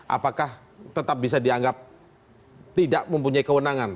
apakah tetap bisa dianggap tidak mempunyai kewenangan